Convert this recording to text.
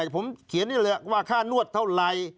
ผมเขียนได้เลยว่าค่านวดเท่าไหร่